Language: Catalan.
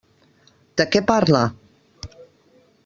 De què parla?